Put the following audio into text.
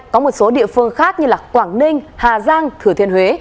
có một số địa phương khác như quảng ninh hà giang thừa thiên huế